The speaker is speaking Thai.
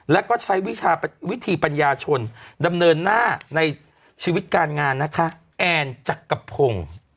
แล้วก็ใช้วิธีปัญญาชนดำเนินหน้าในชีวิตการงานนะคะแอนจักรพงศ์